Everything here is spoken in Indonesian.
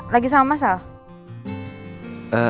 lagi sama masalah